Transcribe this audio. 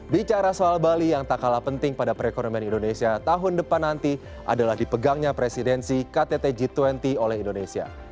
bicara soal bali yang tak kalah penting pada perekonomian indonesia tahun depan nanti adalah dipegangnya presidensi kttg dua puluh oleh indonesia